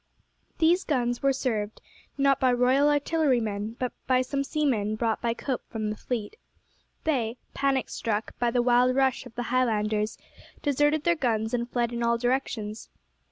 These guns were served, not by Royal Artillerymen, but by some seamen brought by Cope from the fleet. They, panic struck by the wild rush of the Highlanders, deserted their guns and fled in all directions.